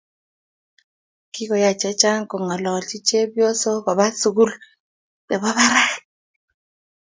Kikoyay chacheng kongalachi chebyosok koba sukul nibo parak